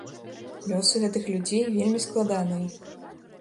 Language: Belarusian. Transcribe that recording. Лёсы гэтых людзей вельмі складаныя.